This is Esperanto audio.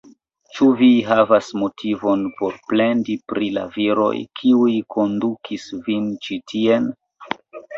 Ĉu vi havas motivon por plendi pri la viroj, kiuj kondukis vin ĉi tien?